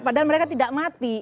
padahal mereka tidak mati